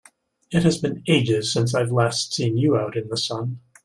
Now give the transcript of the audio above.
It has been ages since I've last seen you out in the sun!